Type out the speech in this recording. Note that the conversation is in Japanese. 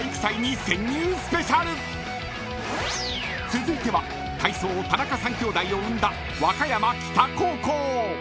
［続いては体操田中３きょうだいを生んだ和歌山北高校］